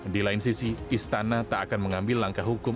di lain sisi istana tak akan mengambil langkah hukum